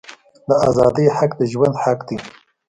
د آزادی حق د ژوند حق دی.